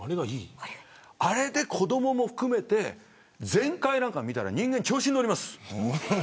あれで子どもも含めて全開なんか見たら人間、調子に乗ります。